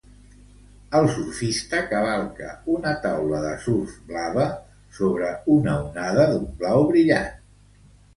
El surfista cavalca una taula de surf blava sobre una onada d'un blau brillant.